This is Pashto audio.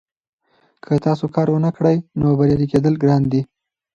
که تاسو کار ونکړئ نو بریالي کیدل ګران دي.